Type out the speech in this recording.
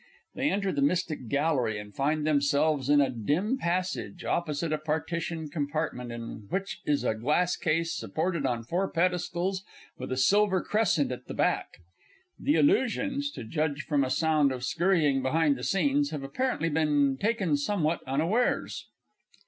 [_They enter the Mystic Gallery, and find themselves in a dim passage, opposite a partitioned compartment, in which is a glass case, supported on four pedestals, with a silver crescent at the back. The illusions to judge from a sound of scurrying behind the scenes have apparently been taken somewhat unawares.